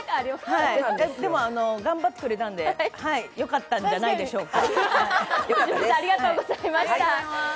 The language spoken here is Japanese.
でも、頑張ってくれたんで、よかったんじゃないでしょうか。